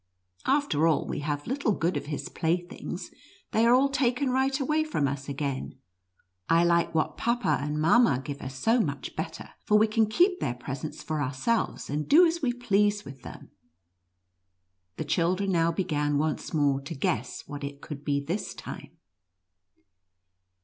After all, we have little good of his playthings ; they are all taken right away from us again. I like what Papa and Mamma give us much Let ter, for we can keep their presents for ourselves, and do as we please with them." The children now began once more to guess what it could be this time.